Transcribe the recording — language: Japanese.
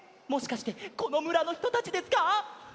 もしかしてこのむらのひとたちですか？